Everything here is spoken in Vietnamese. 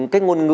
cách ngôn ngữ